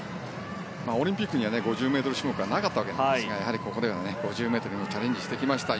オリンピックには５０ｍ種目はなかったわけですがここでは５０ｍにもチャレンジしてきました。